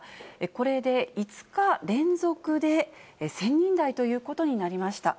これで５日連続で１０００人台ということになりました。